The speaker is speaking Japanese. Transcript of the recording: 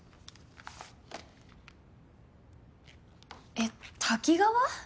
えっタキガワ？